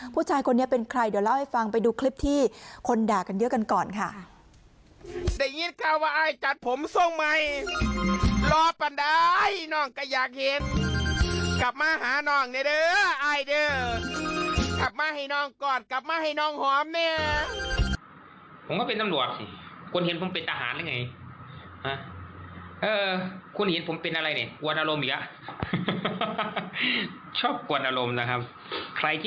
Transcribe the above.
ผู้ชายคนนี้เป็นใครเดี๋ยวเล่าให้ฟังไปดูคลิปที่คนด่ากันเยอะกันก่อนค่ะ